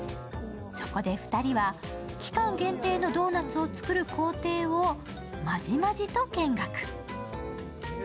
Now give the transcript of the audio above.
そこで２人は、期間限定のドーナツを作る工程をまじまじと見学。